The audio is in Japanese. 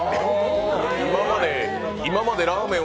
今までラーメン